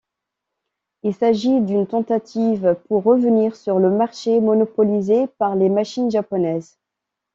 Il s'agit d'une tentative pour revenir sur le marché monopolisé par les machines japonaises.